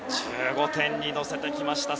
１５点に乗せてきました。